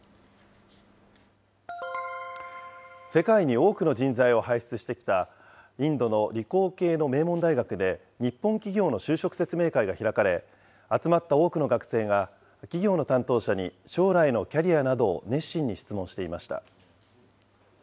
世界に多くの人材を輩出してきたインドの理工系の名門大学で日本企業の就職説明会が開かれ、集まった多くの学生が企業の担当者に将来のキャリアなどを熱心に質問していました。